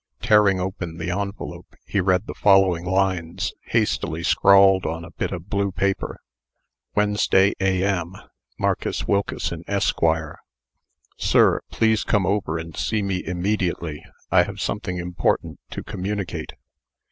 Tearing open the envelope, he read the following lines, hastily scrawled on a bit of blue paper: Wednesday, A.M. MARCUS WILKESON, ESQ.: SIR: Please come over and see me immediately. I have something important to communicate.